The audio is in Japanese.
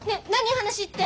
話って。